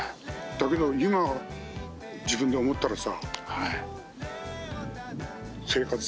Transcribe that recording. だけど今自分で思ったらさ。